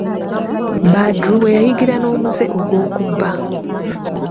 Badru we yayigira n'omuze ogw'okubba.